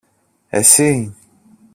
Εσύ!